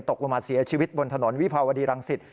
ตกลงมาเสียชีวิตบนถนนวิภาวดีรังสิต